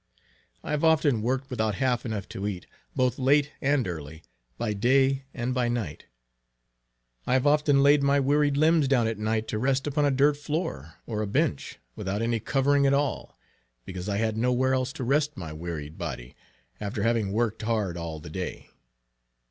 I have often worked without half enough to eat, both late and early, by day and by night. I have often laid my wearied limbs down at night to rest upon a dirt floor, or a bench, without any covering at all, because I had no where else to rest my wearied body, after having worked hard all the day.